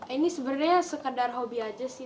ini sebenarnya sekedar hobi aja sih